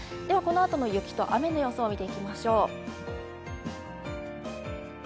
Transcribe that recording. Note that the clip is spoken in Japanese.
このあとの雪と雨の予想を見ていきましょう。